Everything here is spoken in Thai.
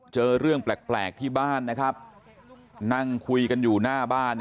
เจอเรื่องแปลกที่บ้านนะครับนั่งคุยกันอยู่หน้าบ้าน